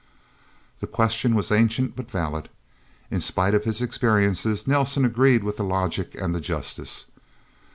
The question was ancient but valid. In spite of his experiences, Nelsen agreed with the logic and the justice.